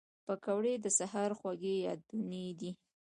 پکورې د سهر خوږې یادونې دي